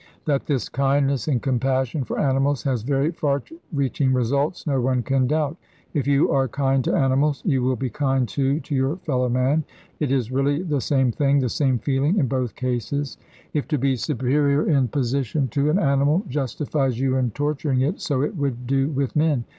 That this kindness and compassion for animals has very far reaching results no one can doubt. If you are kind to animals, you will be kind, too, to your fellow man. It is really the same thing, the same feeling in both cases. If to be superior in position to an animal justifies you in torturing it, so it would do with men.